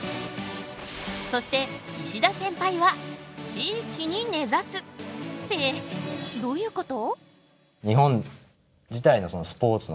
そして石田センパイは「地域に根ざす」！ってどういうこと？